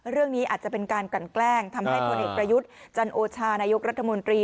เรื่องนี้อาจจะเป็นการกันแกล้งทำให้พลเอกประยุทธ์จันโอชานายกรัฐมนตรี